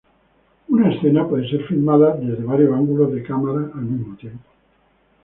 Una escena puede ser filmada desde varios ángulos de cámara al mismo tiempo.